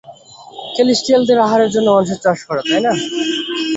ক্যালেস্টিয়ালদের আহারের জন্য মানুষের চাষ করা, তাই না?